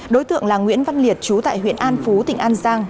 đối tượng là nguyễn văn liệt chú tại huyện an phú tỉnh an giang